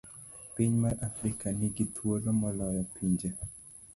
Piny mar Afrika ni gi thuolo moloyo pinje